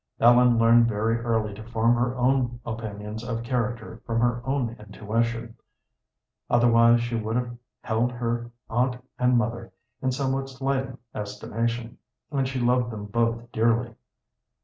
Ellen learned very early to form her own opinions of character from her own intuition, otherwise she would have held her aunt and mother in somewhat slighting estimation, and she loved them both dearly.